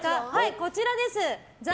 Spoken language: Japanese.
こちらです！